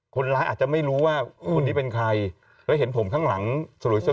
คนร้ายอาจจะไม่รู้ว่าคนนี้เป็นใครแล้วเห็นผมข้างหลังสลุย